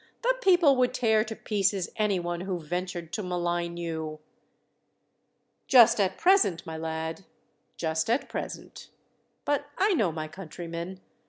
"The people would tear to pieces anyone who ventured to malign you." "Just at present, my lad; just at present. But I know my countrymen.